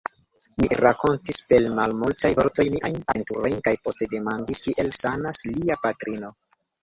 Mi rankontis per malmultaj vortoj miajn aventurojn kaj poste demandis, kiel sanas lia patrino.